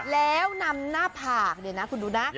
แล้วนำหน้าผากเนี่ยนะคุณดูนะ